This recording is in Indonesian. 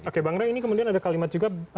oke bang ray ini kemudian ada kalimat juga